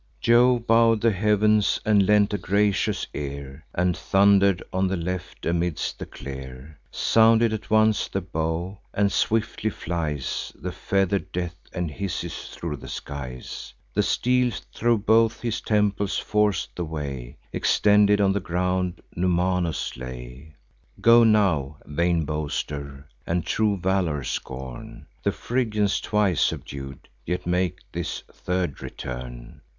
Jove bow'd the heav'ns, and lent a gracious ear, And thunder'd on the left, amidst the clear. Sounded at once the bow; and swiftly flies The feather'd death, and hisses thro' the skies. The steel thro' both his temples forc'd the way: Extended on the ground, Numanus lay. "Go now, vain boaster, and true valour scorn! The Phrygians, twice subdued, yet make this third return."